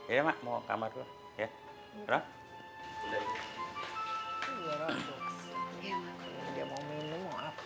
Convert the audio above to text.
iya mak mau ke kamar dulu